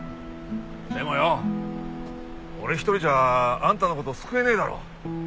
でもよ俺一人じゃあんたの事救えねえだろ。